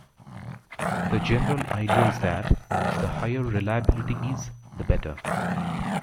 The general idea is that, the higher reliability is, the better.